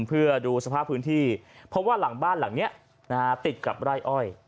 เพื่อดูสภาพพื้นที่เพราะว่าหลังบ้านหลังนี้ติดกับไร่อ้อย